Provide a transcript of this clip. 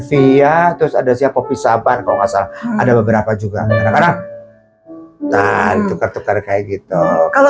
via terus ada siapa pisah ban kalau asal ada beberapa juga dan tukar tukar kayak gitu kalau